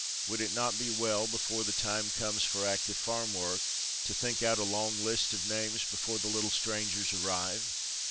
Would it not be well before the time comes for active farm work to think out a long list of names before the little strangers arrive?